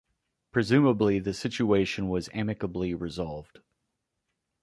Presumably the situation was amicably resolved.